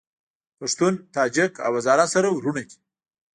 پښتون، تاجک او هزاره سره وروڼه دي